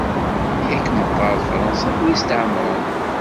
Yak meqqar d Fransa i ten-isetɛemren?